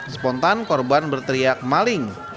spontan korban berteriak maling